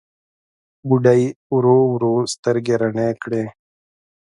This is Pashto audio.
بوډۍ ورو ورو سترګې رڼې کړې.